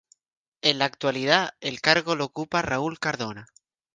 En la actualidad, el cargo lo ocupa Raúl Cardona.